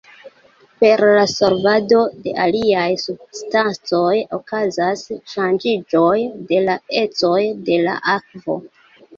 Per la solvado de aliaj substancoj okazas ŝanĝiĝoj de la ecoj de la akvo.